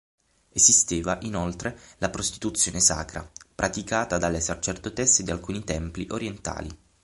Esisteva inoltre la prostituzione sacra, praticata dalle sacerdotesse di alcuni templi orientali.